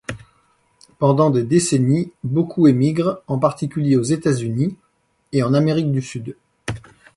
Pendant des décennies, beaucoup émigrent, en particulier aux États-Unis et en Amérique du Sud.